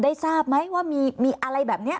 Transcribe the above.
ทราบไหมว่ามีอะไรแบบนี้